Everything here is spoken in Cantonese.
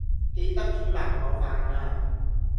記得煮埋我飯呀